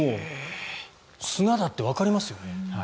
砂だってわかりますよね。